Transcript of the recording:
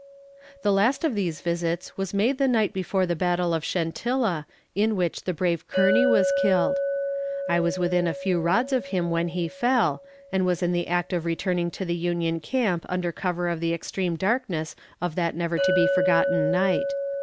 The last of these visits was made the night before the battle of Chentilla, in which the brave Kearney was killed. I was within a few rods of him when he fell, and was in the act of returning to the Union camp under cover of the extreme darkness of that never to be forgotten night.